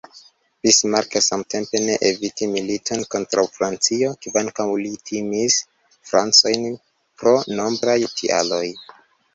Bismarck, samtempe, ne eviti militon kontraŭ Francio, kvankam li timis Francojn pro nombraj tialoj.